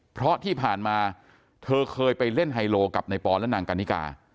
เพราะที่ผ่านมาเธอเคยไปเล่นไฮโลกับในปอนและนางกันนิกา